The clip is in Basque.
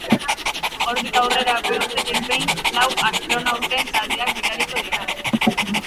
Hortik aurrera, bi urtetik behin lau astronauten taldeak bidaliko dira.